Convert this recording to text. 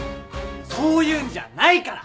そういうんじゃないから！